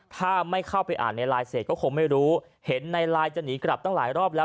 ถ้าไม่เข้าไปอ่านในไลน์เสร็จก็คงไม่รู้เห็นในไลน์จะหนีกลับตั้งหลายรอบแล้ว